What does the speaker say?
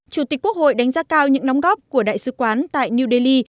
chủ tịch quốc hội đánh giá cao những đóng góp của đại sứ quán tại new delhi